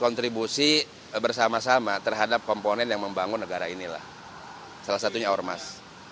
kontribusi bersama sama terhadap komponen yang membangun negara inilah salah satunya ormas